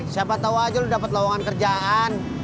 siapa tau aja lu dapat lawangan kerjaan